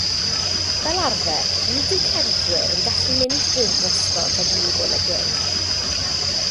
Fel arfer, nid yw cerddwyr yn gallu mynd drwy'r groesffordd ag un golau gwyrdd.